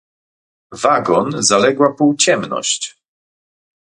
"Wagon zaległa półciemność."